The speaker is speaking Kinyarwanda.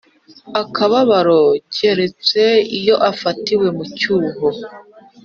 agateganyo keretse iyo afatiwe mu cyuho